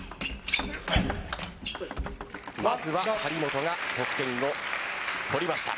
まずは張本が得点を取りました。